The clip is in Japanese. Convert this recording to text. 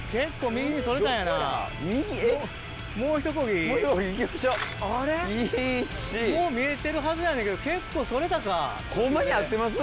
もう見えてるはずやねんけど結構それたか。